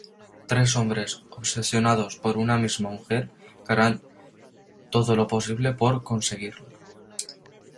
Tres hombres obsesionados por una misma mujer que harán todo lo posible por conseguirla...